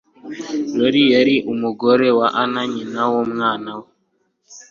Lori yari umugore we na nyina w'umwana we.